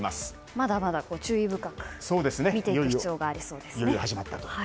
まだまだ注意深く見ていく必要がありそうです。